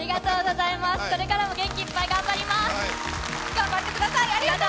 これからも元気いっぱい頑張ります。